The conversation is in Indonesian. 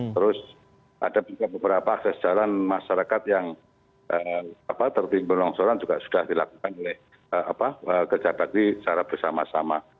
terus ada juga beberapa akses jalan masyarakat yang tertimpa longsoran juga sudah dilakukan oleh kejabat di cara bersama sama